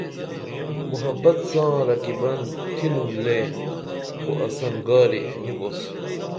محبت ساں رقیبن تِھینُن لے خو انسن گاری نی بوس